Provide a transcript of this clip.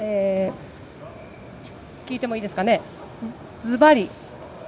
聞いてもいいですかね。